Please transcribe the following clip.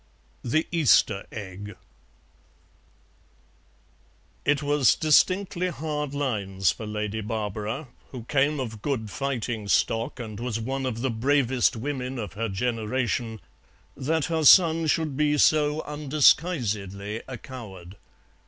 THE EASTER EGG It was distinctly hard lines for Lady Barbara, who came of good fighting stock, and was one of the bravest women of her generation, that her son should be so undisguisedly a coward.